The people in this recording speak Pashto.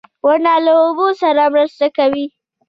• ونه له اوبو سره مرسته کوي.